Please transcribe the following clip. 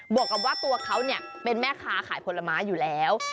วกกับว่าตัวเขาเป็นแม่ค้าขายผลไม้อยู่แล้ว